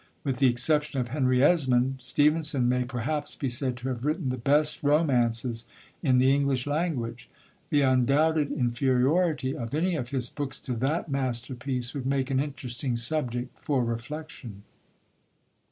With the exception of Henry Esmond, Stevenson may perhaps be said to have written the best romances in the English language; the undoubted inferiority of any of his books to that masterpiece would make an interesting subject for reflexion.